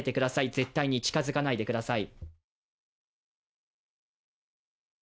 絶対に近づかないでください。